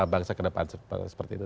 bangsa kedepan seperti itu